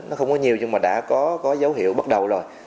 nó không có nhiều nhưng mà đã có dấu hiệu bắt đầu rồi